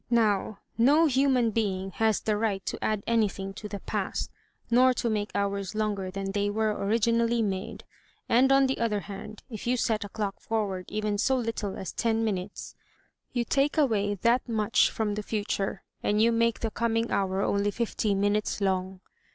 Now, no human being has the right to add anything to the past, nor to make hours longer than they were originally made. And, on the other hand, if you set a clock forward even so little as ten minutes, you take away that much from the future, and you make the coming hour only fifty minutes long.